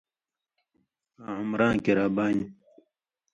آں عمراںؓ کِریا بانیۡ